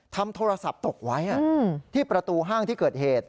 ทำโทรศัพท์ตกไว้ที่ประตูห้างที่เกิดเหตุ